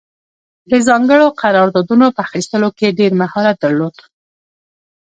د ځانګړو قراردادونو په اخیستلو کې یې ډېر مهارت درلود.